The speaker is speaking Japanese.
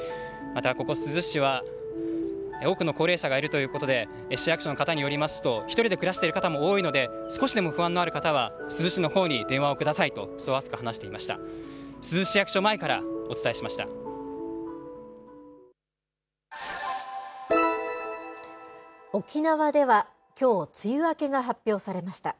また、ここ珠洲市は多くの高齢者がいるということで、市役所の方によりますと、１人で暮らしている方も多いので、少しでも不安のある方は、珠洲市のほうに電話をくださいと、そう熱く話していました。